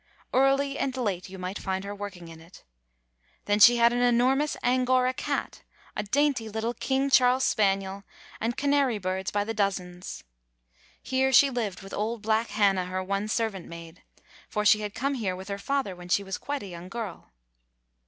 Early and late, you might find her working in it. Then she had an enormous Angora cat, a dainty little King [ 99 ] ^AN EASTER LILY Charles spaniel, and canary birds by the doz ens. Here she lived with old black Hannah, her one servant maid, for she had come here with her father when she was quite a young girl.